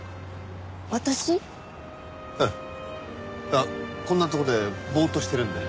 あっこんなとこでぼーっとしてるんで。